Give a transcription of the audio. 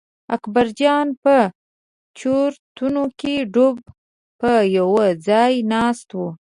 اکبرجان په چورتونو کې ډوب په یوه ځای ناست و.